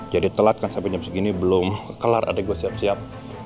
jadi telat kan sampe jam segini belum kelar adek gue siap siap